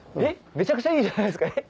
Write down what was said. めちゃくちゃいいじゃないですか。